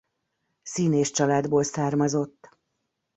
Színész családból származott.